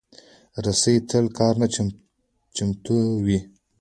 رسۍ تل کار ته چمتو وي.